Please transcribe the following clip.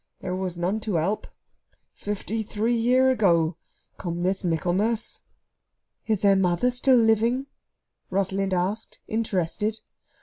There was none to help. Fifty three year ago come this Michaelmas." "Is their mother still living?" Rosalind asked, interested.